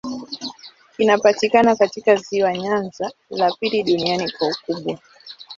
Kinapatikana katika ziwa Nyanza, la pili duniani kwa ukubwa.